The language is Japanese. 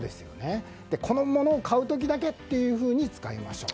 この物を買う時だけというふうに使いましょう。